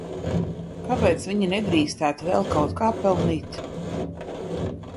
Kāpēc viņi nedrīkstētu vēl kaut kā pelnīt?